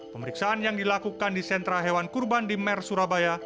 pemeriksaan yang dilakukan di sentra hewan kurban di mer surabaya